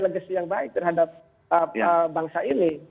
legacy yang baik terhadap bangsa ini